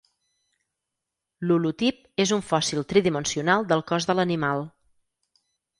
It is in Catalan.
L'holotip és un fòssil tridimensional del cos de l'animal.